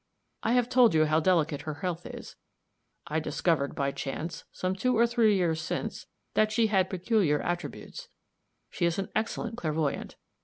I have told you how delicate her health is. I discovered, by chance, some two or three years since, that she had peculiar attributes. She is an excellent clairvoyant.